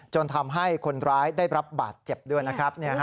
ทำให้คนร้ายได้รับบาดเจ็บด้วยนะครับ